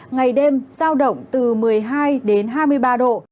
ngày đêm giao động từ một mươi hai đến hai mươi ba độ